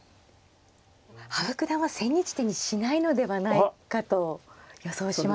羽生九段は千日手にしないのではないかと予想します。